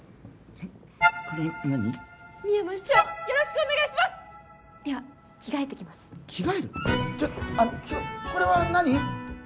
ちょっとあのこれは何？